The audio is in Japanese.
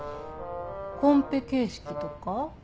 コンペ形式とか？